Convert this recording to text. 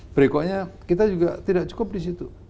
berikutnya kita juga tidak cukup di situ